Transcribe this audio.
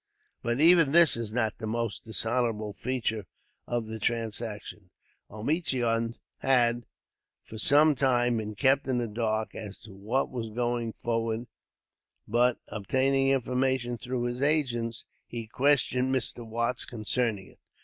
But even this is not the most dishonorable feature of the transaction. Omichund had, for some time, been kept in the dark as to what was going forward; but, obtaining information through his agents, he questioned Mr. Watts concerning it.